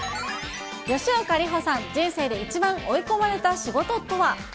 吉岡里帆さん、人生で一番追い込まれた仕事とは？